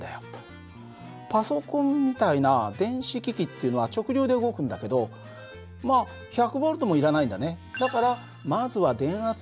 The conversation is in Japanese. パソコンみたいな電子機器っていうのは直流で動くんだけどまあ１００Ｖもいらないんだね。